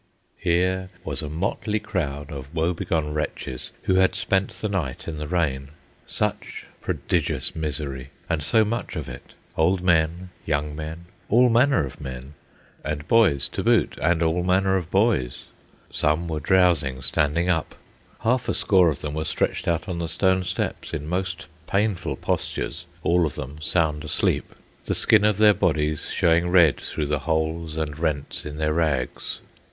Here was a motley crowd of woebegone wretches who had spent the night in the rain. Such prodigious misery! and so much of it! Old men, young men, all manner of men, and boys to boot, and all manner of boys. Some were drowsing standing up; half a score of them were stretched out on the stone steps in most painful postures, all of them sound asleep, the skin of their bodies showing red through the holes, and rents in their rags.